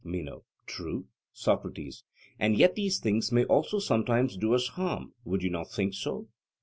MENO: True. SOCRATES: And yet these things may also sometimes do us harm: would you not think so?